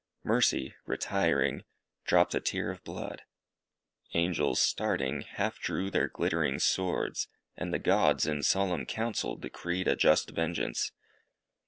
Mercy, retiring, dropped a tear of blood. Angels, starting, half drew their glittering swords. And the Gods, in solemn council, decreed a just vengeance.